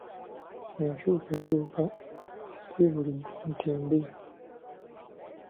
Enkyukakyuka si bulijjo nti mbi.